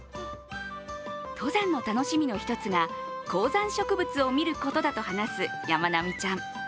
登山の楽しみの一つが高山植物を見ることだと話すやまなみちゃん。